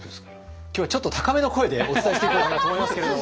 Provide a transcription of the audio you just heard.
今日はちょっと高めの声でお伝えしていこうかなと思いますけれども。